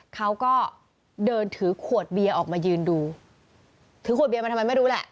เขาก็เดินถือขวดเบียร์ออกมายืนดูถือขวดเบียมาทำไมไม่รู้แหละ